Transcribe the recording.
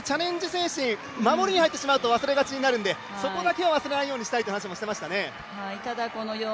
精神、守りに入ってしまうと忘れがちになるのでそこだけは忘れられないようにしたいという話をしていましたね。